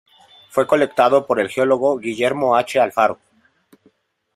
Fue colectado por el geólogo Guillermo H. Alfaro.